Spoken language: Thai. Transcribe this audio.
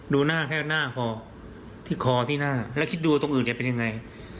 ดูหน้าแค่หน้าพอที่คอที่หน้าแล้วคิดดูตรงอื่นจะเป็นยังไง